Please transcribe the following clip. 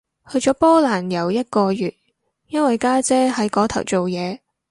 去咗波蘭遊一個月，因為家姐喺嗰頭做嘢